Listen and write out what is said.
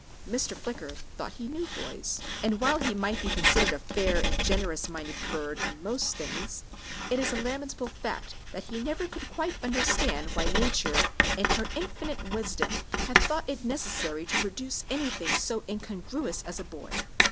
Mr. Flicker thought he knew boys, and while he might be considered a fair and generous minded bird in most things, it is a lamentable fact that he never could quite understand why Nature in her infinite wisdom had thought it necessary to produce anything so incongruous as a boy.